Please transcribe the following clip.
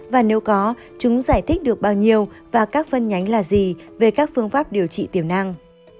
và nếu có chúng giải thích được bao nhiêu và các phân nhánh là gì về các phương pháp điều trị tiềm năng